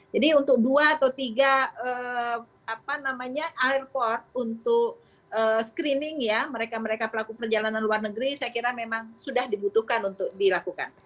jadi untuk dua atau tiga airport untuk screening ya mereka mereka pelaku perjalanan luar negeri saya kira memang sudah dibutuhkan untuk dilakukan